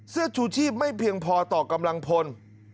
เสื้อชูชีพไม่เพียงพอต่อกำลังพล